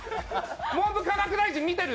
文部科学大臣見てる？